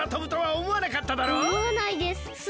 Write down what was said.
おもわないです。